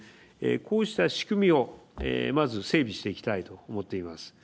こうした仕組みをまず、整備していきたいと思っています。